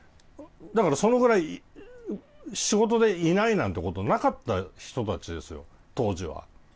そのぐらい、仕事でいないなんてことはなかった人たちですよ、当時は。